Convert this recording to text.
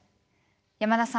山田さん